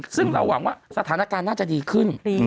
ซึ่งเราหวังว่าสถานการณ์น่าจะดีขึ้น